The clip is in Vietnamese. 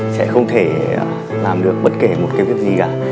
sẽ không thể làm được bất kể một cái việc gì cả